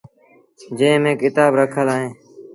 جݩهݩ ميݩ ڪتآب رکل اوهيݩ۔